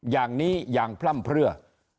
อย่างนี้อย่างพร่ำเพลือ